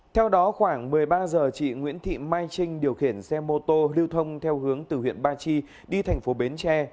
theo đó khoảng một mươi ba h chị nguyễn thị mai trinh điều khiển xe mô tô lưu thông theo hướng từ huyện ba chi đi thành phố bến tre